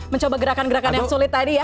mencoba gerakan gerakan yang sulit tadi ya